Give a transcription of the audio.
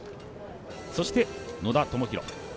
そして野田明宏。